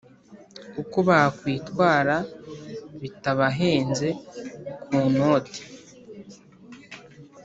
uko bakwitwara bitabahenze ku noti